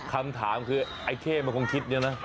คำถามคือไอเค้มันคงคิดอย่างนั้น